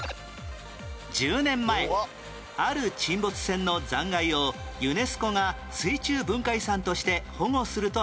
１０年前ある沈没船の残骸をユネスコが水中文化遺産として保護すると発表